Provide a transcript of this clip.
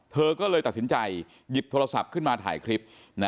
เธอก็เลยตัดสินใจหยิบโทรศัพท์ขึ้นมาถ่ายคลิป